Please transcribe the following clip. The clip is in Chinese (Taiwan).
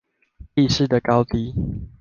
地勢的高低